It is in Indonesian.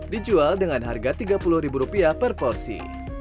dijual dengan harga tiga puluh rupiah per porsi